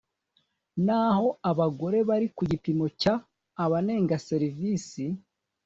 naho abagore bari ku gipimo cya Abanenga serivisi